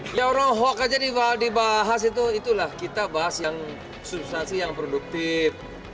kalau hok aja dibahas itu itulah kita bahas yang substansi yang produktif